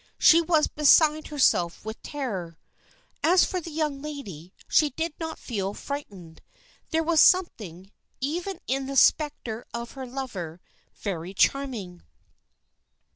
She was beside herself with terror. As for the young lady, she did not feel frightened. There was something, even in the spectre of her lover, very charming.